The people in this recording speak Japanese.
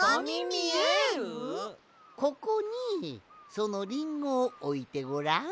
ここにそのリンゴをおいてごらん。